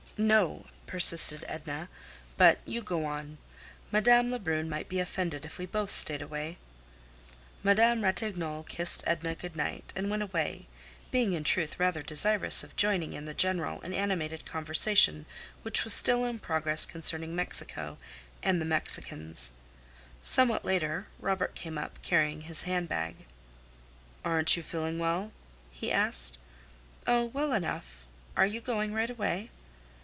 "No," persisted Edna; "but you go on. Madame Lebrun might be offended if we both stayed away." Madame Ratignolle kissed Edna good night, and went away, being in truth rather desirous of joining in the general and animated conversation which was still in progress concerning Mexico and the Mexicans. Somewhat later Robert came up, carrying his hand bag. "Aren't you feeling well?" he asked. "Oh, well enough. Are you going right away?"